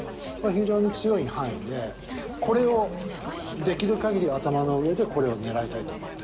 非常に強い範囲でこれをできる限り頭の上でこれを狙いたいと思って。